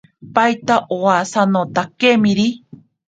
Paita awisamotakemiri.